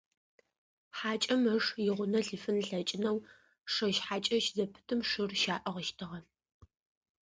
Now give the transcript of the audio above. Хьакӏэм ыш игъунэ лъифын ылъэкӏынэу шэщ-хьакӏэщ зэпытым шыр щаӏыгъыщтыгъэ.